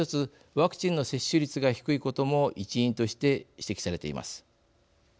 ワクチンの接種率が低いことも一因として指摘されています。